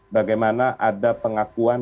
bagaimana ada pengakuan